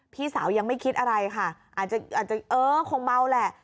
พี่สาวยังไม่คิดอะไรค่ะอาจจะเออคงเมาแหละ